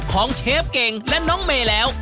เชฟเก่งและน้องเมย์แล้ว